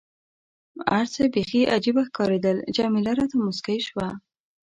هر څه بیخي عجيبه ښکارېدل، جميله راته موسکۍ شوه.